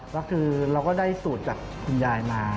ก็คือเราก็ได้สูตรจากคุณยายมา